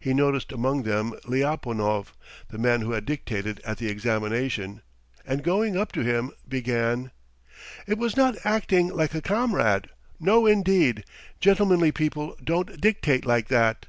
He noticed among them Lyapunov, the man who had dictated at the examination, and going up to him, began: "It was not acting like a comrade! No, indeed! Gentlemanly people don't dictate like that!"